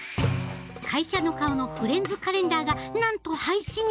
会社の顔のフレンズカレンダーがなんと廃止に！